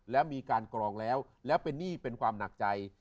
แล้วมีการกรองแล้วแล้วเป็นหนี้เป็นความหนักใจ